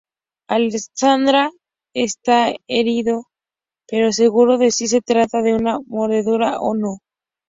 Alexandra está herido, pero seguro de si se trata de una mordedura o no.